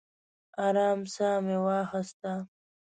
ارام ساه مې واخیسته.